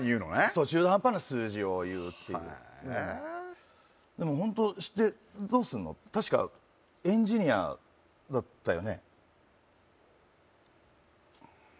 そう中途半端な数字を言うっていうへえでもホント知ってどうすんの確かエンジニアだったよね？